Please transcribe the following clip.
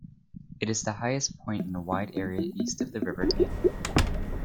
It is the highest point in the wide area east of the River Cam.